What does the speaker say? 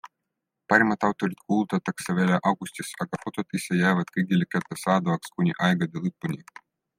Parimad autorid kuulutatakse välja augustis, aga fotod ise jäävad kõigile kättesaadavaks kuni aegade lõpuni.